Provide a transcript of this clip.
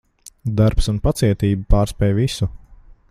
Darbs un pacietība pārspēj visu.